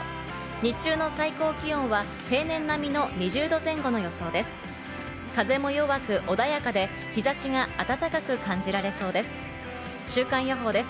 日中の最高気温は平年並みの２０度前後の予想です。